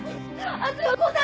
春子さん！